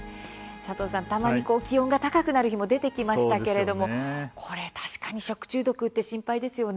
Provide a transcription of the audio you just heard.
佐藤さん、たまに気温が高くなる日も出てきましたけれど食中毒心配ですね。